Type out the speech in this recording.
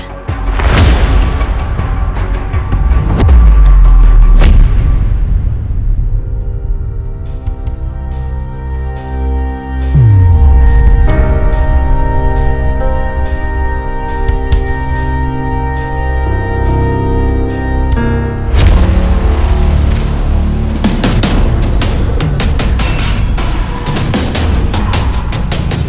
harus scarce kan